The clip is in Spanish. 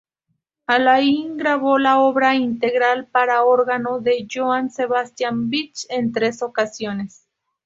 Alain grabó la obra integral para órgano de Johann Sebastian Bach en tres ocasiones.